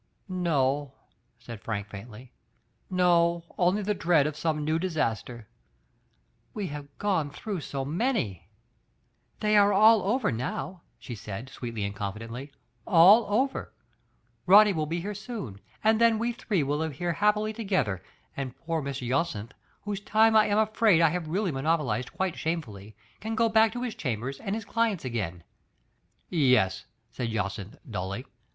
"No," said Frank faintly, "no, only the dread of sonie new disaster. We have gone through so many T' "They are all over now," she said, sweetly and confidently, "all over. Ronny will be here soon, and then we three will live here happily together, and poor Mr. Jacynth, whose time I am afraid I Digitized by Google 3lS THE FATE OF FENELLA. hav0 really monopoli^d quite $liame|uHy, t^n go back to liis cham^rs and his cUeftts agfi^tn^" ''Yes/' said Jacyath dully.